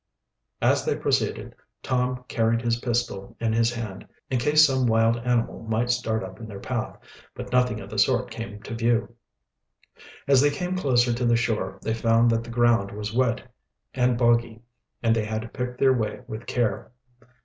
As they proceeded Tom carried his pistol in his hand, in case some wild animal might start up in their path, but nothing of the sort came to view. As they came closer to the shore they found that the ground was wet and boggy, and they had to pick their way with care.